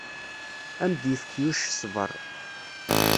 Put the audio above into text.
Ad am-d-yefk Yuc ṣṣber.